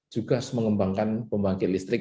juga mengembangkan pembangkit listrik